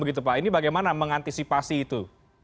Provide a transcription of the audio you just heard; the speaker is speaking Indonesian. ini bagaimana mengantisipasi itu